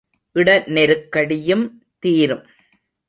இட நெருக்கடியும் தீரும்.